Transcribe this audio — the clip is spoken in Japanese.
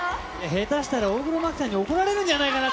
下手したら大黒摩季さんに怒られるんじゃないかな？